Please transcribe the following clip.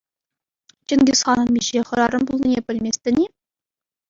Чингисханӑн миҫе хӗрарӑм пулнине пӗлместӗн-и?